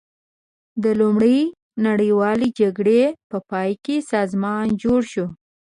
د لومړۍ نړیوالې جګړې په پای کې سازمان جوړ شو.